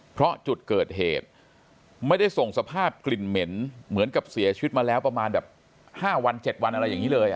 เพราะจุดเกิดเหตุไม่ได้ส่งสภาพกลิ่นเหม็นเหมือนกับเสียชีวิตมาแล้วประมาณแบบ๕วัน๗วันอะไรอย่างนี้เลย